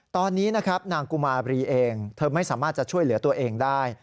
ตอนนี้นะครับนางกุมาบรีเองเธอไม่สามารถจะช่วยเหลือตัวเองได้